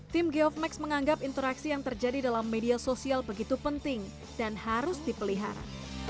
tim geovmax menganggap interaksi yang terjadi dalam media sosial begitu penting dan harus dipelihara